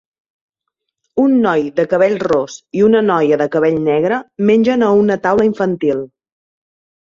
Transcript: Un noi de cabell ros i una noia de cabell negre mengen a una taula infantil.